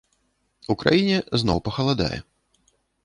У краіне зноў пахаладае.